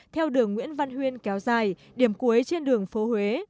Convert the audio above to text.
theo đường nguyễn văn huyên kéo dài điểm cuối trên đường phố huế